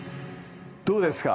どうですか？